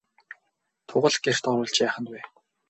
Тугал гэрт оруулж яах нь вэ?